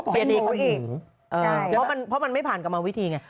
เปลี่ยนกรุ๊ปเพราะมันไม่ผ่านกลับมาวิธีไง